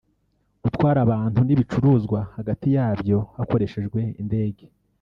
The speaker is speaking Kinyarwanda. gutwara abantu n’ibicuruzwa hagati yabyo hakoreshejwe indege